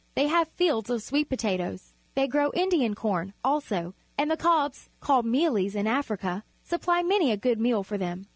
They have fields of sweet potatoes. They grow Indian corn, also, and the cobs, called mealies in Africa, supply many a good meal for them.